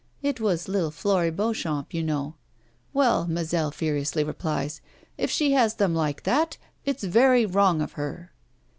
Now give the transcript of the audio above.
It was little Flore Beauchamp, you know. "Well," Mazel furiously replies, "if she has them like that, it's very wrong of her."